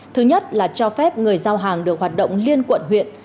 thứ nhất là cho phép người giao hàng được hoạt động liên quận huyện